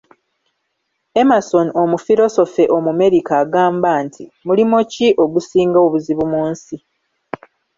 Emerson Omufirosofe Omumerika agamba nti: Mulimo ki ogusinga obuzibu mu nsi?